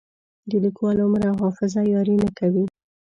د لیکوال عمر او حافظه یاري نه کوي.